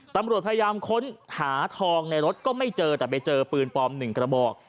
ตำรวจพยายามค้นหาทองในรถก็ไม่เจอแต่ไปเจอปืนปลอม๑กระบอก